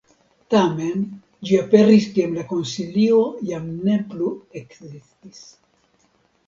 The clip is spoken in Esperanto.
Tamen ĝi aperis kiam la Konsilio jam ne plu ekzistis.